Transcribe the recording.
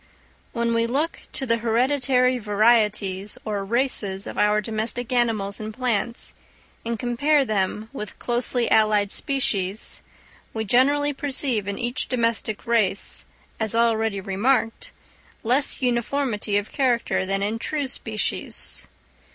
_ When we look to the hereditary varieties or races of our domestic animals and plants, and compare them with closely allied species, we generally perceive in each domestic race, as already remarked, less uniformity of character than in true species.